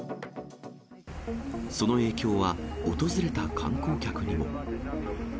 その影響は訪れた観光客にも。